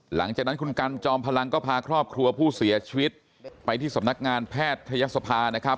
หลังจากนั้นคุณกันจอมพลังก็พาครอบครัวผู้เสียชีวิตไปที่สำนักงานแพทยศภานะครับ